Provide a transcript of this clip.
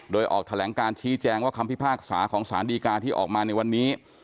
โดยออกแถลงการชี้แจงว่าคำพิพากษาของสารดีกาที่ออกมาในวันนี้